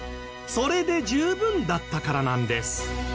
それで十分だったからなんです